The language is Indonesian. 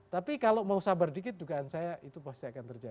tapi kalau mau sabar dikit dugaan saya itu pasti akan terjadi